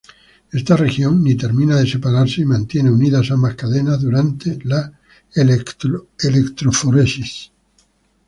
Esta región ni termina de separarse y mantiene unidas ambas cadenas durante la electroforesis.